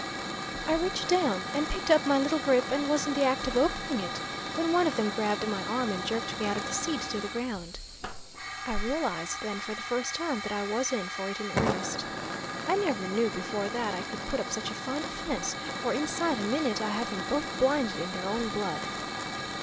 I reached down and picked up my little grip and was in the act of opening it, when one of them grabbed my arm and jerked me out of the seat to the ground. I realized then for the first time that I was in for it in earnest. I never knew before that I could put up such a fine defense, for inside a minute I had them both blinded in their own blood.